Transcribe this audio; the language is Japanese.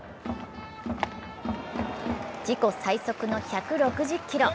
自己最速の１６０キロ。